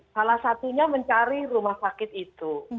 salah satunya mencari rumah sakit itu